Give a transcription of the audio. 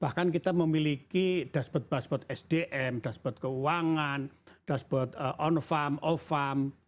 bahkan kita memiliki dashboard dashboard sdm dashboard keuangan dashboard on farm off farm